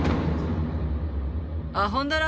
あほんだら！